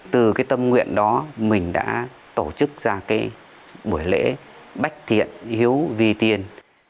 từ tâm nguyện đó mình đã tổ chức ra buổi lễ bách thiện hiếu vi tiên